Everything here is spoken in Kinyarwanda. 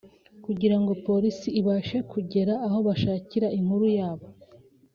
kugirango Polisi ibafashe kugera aho bashakira inkuru yabo